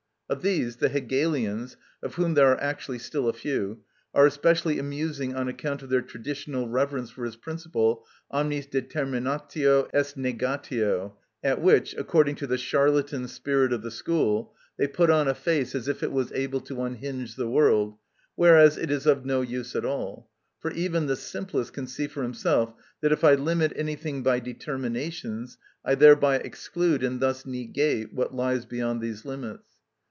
Of these the Hegelians, of whom there are actually still a few, are specially amusing on account of their traditional reverence for his principle, omnis determinatio est negatio, at which, according to the charlatan spirit of the school, they put on a face as if it was able to unhinge the world; whereas it is of no use at all, for even the simplest can see for himself that if I limit anything by determinations, I thereby exclude and thus negate what lies beyond these limits.